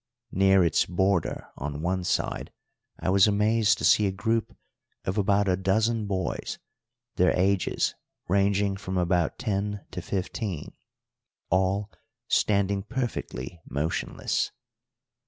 Near its border on one side I was amazed to see a group of about a dozen boys, their ages ranging from about ten to fifteen, all standing perfectly motionless.